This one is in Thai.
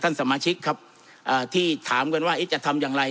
ท่านสมาชิกครับอ่าที่ถามกันว่าเอ๊ะจะทำอย่างไร